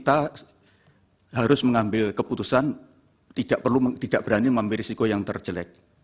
nah ini juga kayaknya kita harus mengambil keputusan tidak perlu berani mengambil risiko yang terjelek